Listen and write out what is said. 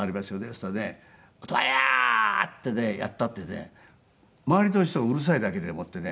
そしたらね「音羽屋」ってねやったってね周りの人はうるさいだけでもってね